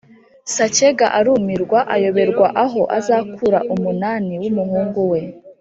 Sacyega arumirwa ayoberwa aho azakura umunani wumuhungu we